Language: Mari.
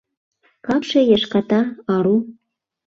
Капше яшката. ару.